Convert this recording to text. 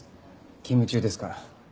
勤務中ですから。